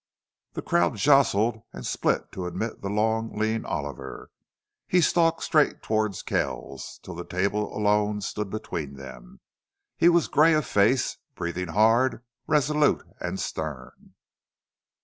The crowd jostled and split to admit the long, lean Oliver. He stalked straight toward Kells, till the table alone stood between them. He was gray of face, breathing hard, resolute and stern.